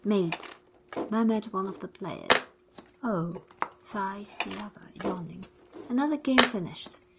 'Mate!' murmured one of the players. 'Oh!' sighed the other, yawning, 'another game finished!